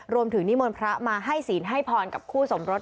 นิมนต์พระมาให้ศีลให้พรกับคู่สมรส